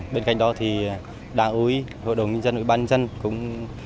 bên cạnh đó thì đảng ủy hội đồng dân ủy ban dân cũng